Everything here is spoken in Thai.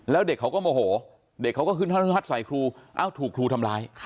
แล้วเด็กเขาก็โมโหเด็กเขาก็ขึ้นห้องฮัดใส่ครูเอ้าถูกครูทำร้าย